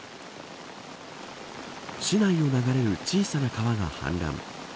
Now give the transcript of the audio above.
市内を流れる小さな川が氾濫。